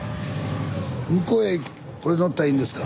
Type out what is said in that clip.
向こうへこれ乗ったらいいんですか？